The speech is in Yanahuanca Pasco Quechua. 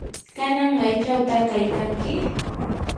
¿kanan maychawta kaykanki?